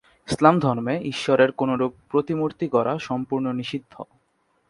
ইসলাম ধর্মে ঈশ্বরের কোনরূপ প্রতিমূর্তি গড়া সম্পূর্ণ নিষিদ্ধ।